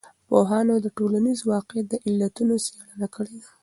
پوهانو د ټولنیز واقعیت د علتونو څېړنه کړې ده.